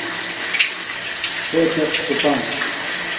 تھے تس ڇُھپانہ.